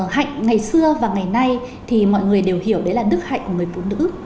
hạnh ngày xưa và ngày nay thì mọi người đều hiểu đấy là đức hạnh của người phụ nữ